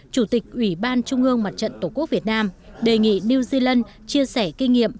chủ tịch ủy ban trung ương mặt trận tổ quốc việt nam đề nghị new zealand chia sẻ kinh nghiệm